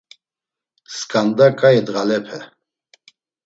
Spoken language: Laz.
Skanda k̆ai ndğalepe.